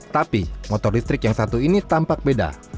tapi motor listrik yang satu ini tampak beda